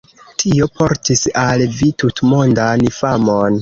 Tio portis al vi tutmondan famon.